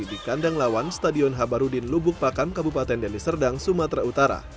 di kandang lawan stadion habarudin lubuk pakam kabupaten deli serdang sumatera utara